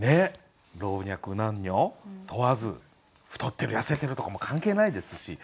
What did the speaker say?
老若男女問わず太ってる痩せてるとかも関係ないですし。